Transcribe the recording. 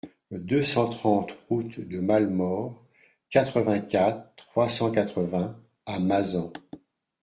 deux cent trente route de Malemort, quatre-vingt-quatre, trois cent quatre-vingts à Mazan